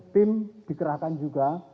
tim dikerahkan juga